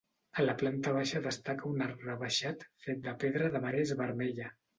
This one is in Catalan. A la planta baixa destaca un arc rebaixat fet de pedra de marès vermella.